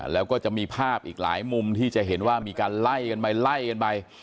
แล้วก็จะมีภาพอีกหลายมุมที่จะเห็นว่ามีการไล่กันไปไล่กันไป